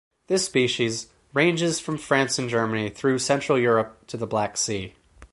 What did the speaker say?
The species ranges from France and Germany through central Europe to the Black Sea.